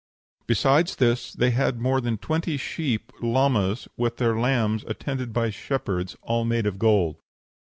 Besides this, they had more than twenty sheep (llamas) with their lambs, attended by shepherds, all made of gold."